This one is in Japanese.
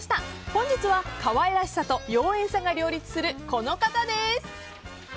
本日は可愛らしさと妖艶さが両立する、この方です。